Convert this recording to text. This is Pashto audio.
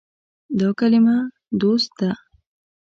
دا کلمه “دوست” ده.